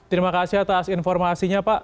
terima kasih atas informasinya pak